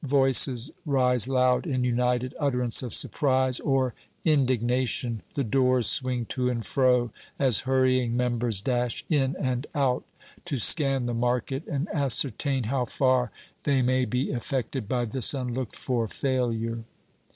Voices rise loud in united utterance of surprise or indignation. The doors swing to and fro, as hurrying members dash in and out to scan the market and ascertain how far they may be affected by this unlooked for failure.